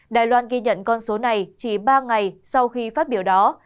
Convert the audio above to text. đài loan ghi nhận con số này chỉ ba ngày sau khi phát biểu đó